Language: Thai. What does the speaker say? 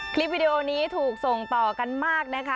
วิดีโอนี้ถูกส่งต่อกันมากนะคะ